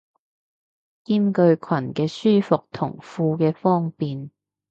兼具裙嘅舒服同褲嘅方便